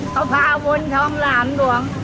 เขาพาวนท่องหล่ามด่วง